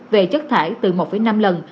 về chất thải từ một năm lần